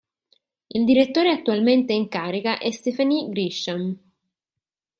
Il direttore attualmente in carica è Stephanie Grisham.